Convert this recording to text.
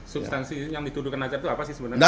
substansi yang dituduhkan nazar itu apa sih sebenarnya